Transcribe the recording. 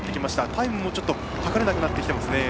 タイムも計れなくなってきてますね。